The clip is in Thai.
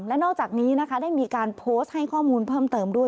และนอกจากนี้นะคะได้มีการโพสต์ให้ข้อมูลเพิ่มเติมด้วย